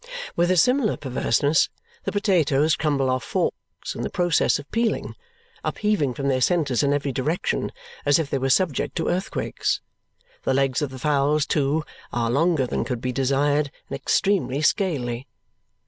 With a similar perverseness, the potatoes crumble off forks in the process of peeling, upheaving from their centres in every direction, as if they were subject to earthquakes. The legs of the fowls, too, are longer than could be desired, and extremely scaly.